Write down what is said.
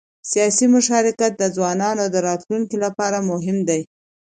سیاسي مشارکت د ځوانانو د راتلونکي لپاره مهم دی